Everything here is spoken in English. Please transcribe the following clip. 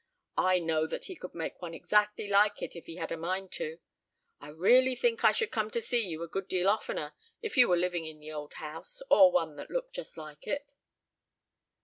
I know that he could make one exactly like it, if he had a mind to. I really think I should come to see you a good deal oftener if you were living in the old house, or one that looked just like it."